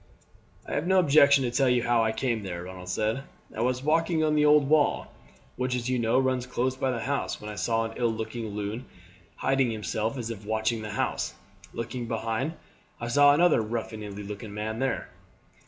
"I have no objection to tell you how I came there," Ronald said. "I was walking on the old wall, which, as you know, runs close by the house, when I saw an ill looking loon hiding himself as if watching the house, looking behind I saw another ruffianly looking man there."